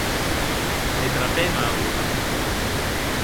Me trapè mau.